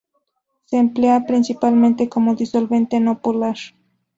Se emplea principalmente como disolvente no polar.